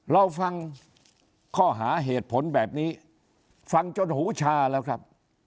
เราฟังข้อหาเหตุผลแบบนี้ฟังจนหูชาแล้วครับ